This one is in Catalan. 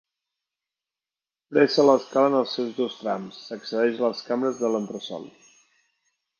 Presa l'escala en els seus dos trams, s'accedeix a les cambres de l'entresòl.